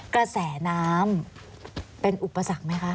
กระแสน้ำเป็นอุปสรรคไหมคะ